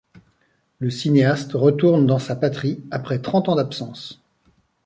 Le cinéaste retourne dans sa patrie après trente ans d'absence.